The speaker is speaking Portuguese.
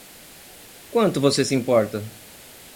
Quanto você se importa?